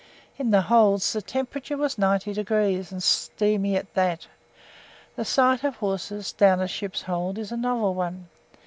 In the holds the temperature was 90° and steamy at that. The sight of horses down a ship's hold is a novel one.